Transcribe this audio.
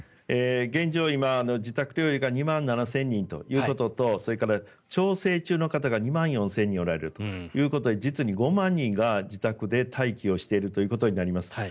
現状、今、自宅療養が２万７０００人ということとそれから調整中の方が２万４０００人おられるということで実に５万人が自宅で待機しているということになります。